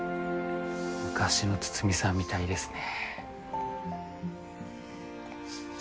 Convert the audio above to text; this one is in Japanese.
昔の筒見さんみたいですね。